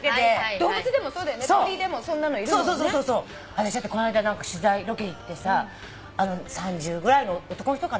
私この間取材ロケ行ってさ３０ぐらいの男の人かな？